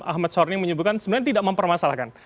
ahmad sorry menyebutkan sebenarnya tidak mempermasalahkan